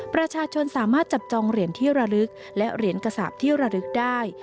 ประชาชนสามารถจับจองเหรียญที่ระลึกและเหรียญกระสาปที่ระลึกได้